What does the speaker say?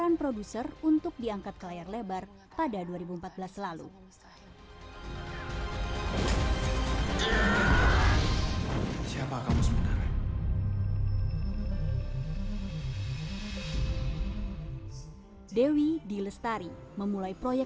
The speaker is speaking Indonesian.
hai apa kabar sangat baik bertemu anda